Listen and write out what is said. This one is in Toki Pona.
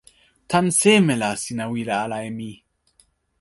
tan seme la sina wile ala e mi?